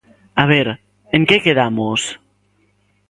A ver, ¿en que quedamos?